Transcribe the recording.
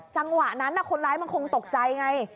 จังหวะนั้นคนร้ายมันคงตกใจไง